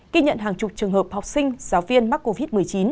ghi nhận hàng chục trường hợp học sinh giáo viên mắc covid một mươi chín